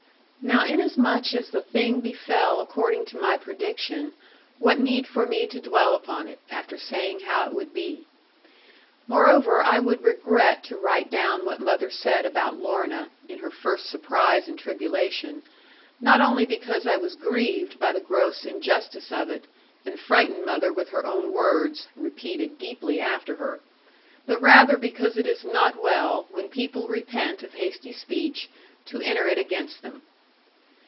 Now inasmuch as the thing befell according to my prediction, what need for me to dwell upon it, after saying how it would be? Moreover, I would regret to write down what mother said about Lorna, in her first surprise and tribulation; not only because I was grieved by the gross injustice of it, and frightened mother with her own words (repeated deeply after her); but rather because it is not well, when people repent of hasty speech, to enter it against them.